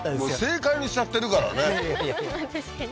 正解にしちゃってるからねははははっ